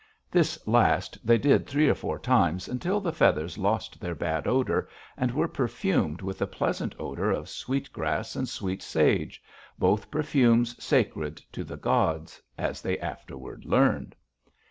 This last they did three or four times until the feathers lost their bad odor, and were perfumed with the pleasant odor of sweetgrass and sweet sage, both perfumes sacred to the gods, as they afterward learned.